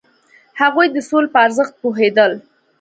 هغوی د سولې په ارزښت پوهیدل.